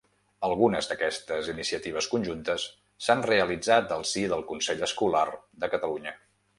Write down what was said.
Algunes d'aquestes iniciatives conjuntes s'han realitzat al si del Consell Escolar de Catalunya.